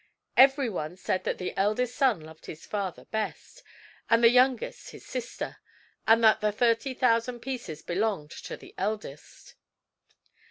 Everyone said that the eldest son loved his father best, and the youngest his sister; and that the thirty thousand pieces belonged to the eldest.